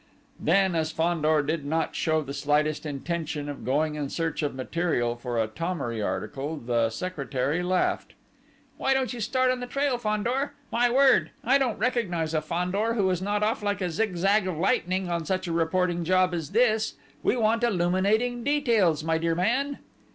Then, as Fandor did not show the slightest intention of going in search of material for a Thomery article, the secretary laughed. "Why don't you start on the trail, Fandor?... My word, I don't recognise a Fandor who is not off like a zigzag of lightning on such a reporting job as this!... We want illuminating details, my dear man!"